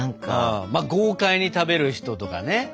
まあ豪快に食べる人とかね。